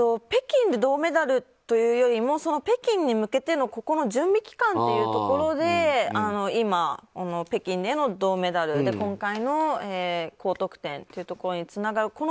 北京で銅メダルというよりも北京に向けての準備期間というところで今、北京での銅メダルで今回の高得点というところにつながる。